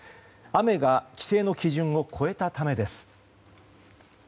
雨が規制の基準を超えたためです。